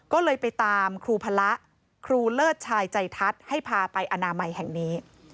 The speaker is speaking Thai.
ก็เลยไปตามครูพระครูเลิศชายใจทัศน์ให้พาไปอนามัยแห่งนี้